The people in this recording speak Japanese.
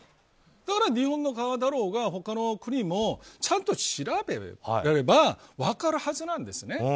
だから日本や他の国もちゃんと調べれば分かるはずなんですね。